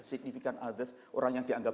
signifikan others orang yang dianggap